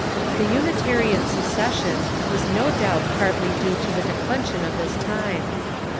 The Unitarian secession was no doubt part ly due to the declension of this time.